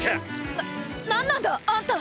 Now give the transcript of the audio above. な何なんだあんた